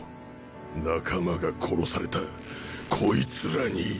仲間が殺されたこいつらに。